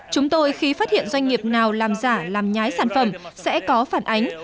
chúng tôi khi phát hiện doanh nghiệp nào làm giả làm nhái sản phẩm sẽ có phản ánh